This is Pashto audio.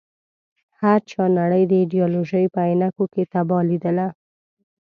هر چا نړۍ د ایډیالوژۍ په عينکو کې تباه ليدله.